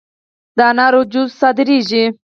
د انارو جوس صادریږي؟